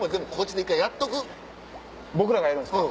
僕らがやるんすか？